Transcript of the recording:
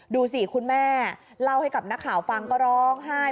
ดูสิคุณแม่เล่าให้กับนักข่าวฟังก็ร้องไห้